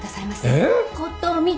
えっ？